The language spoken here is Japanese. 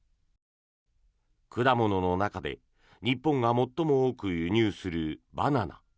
果物の中で日本が最も多く輸入するバナナ。